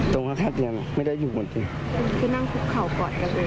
ตรงท่าท่าเตียงไม่ได้อยู่หมดจริงคือนั่งคลุกเขากอดกันเลย